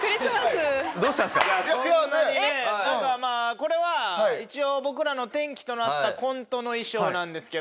これ僕らの転機となったコントの衣装なんですけど。